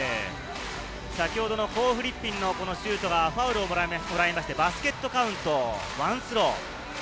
先ほどのコー・フリッピンのシュートがファウルをもらいまして、バスケットカウント、ワンスロー。